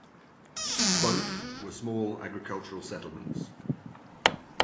Both were small agricultural settlements.